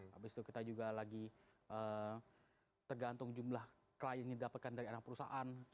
habis itu kita juga lagi tergantung jumlah klien yang didapatkan dari anak perusahaan